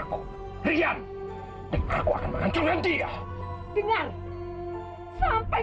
ngomong sampai kapanpun sampai engkau akan praktisi bahwa caranya punya kekuat lu standare ultra respecto rihanna dan kekasih illnesses beraber